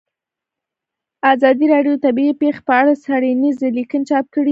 ازادي راډیو د طبیعي پېښې په اړه څېړنیزې لیکنې چاپ کړي.